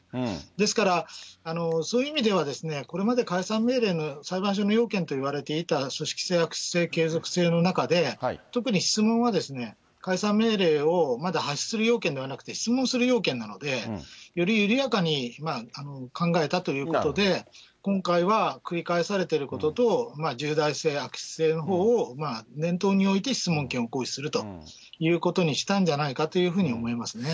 ですから、そういう意味では、これまで解散命令の、裁判所の要件といわれていた組織性、悪質性、継続性の中で、特に質問は解散命令をまだ発出する要件ではなくて、質問する要件なので、より緩やかに考えたということで、今回は繰り返されてることと、重大性、悪質性のほうを念頭に置いて質問権を行使するということにしたんじゃないかというふうに思いますね。